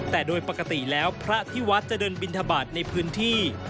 แต่โดยปกติแล้วพระที่วัดจะเดินบินทบาทในพื้นที่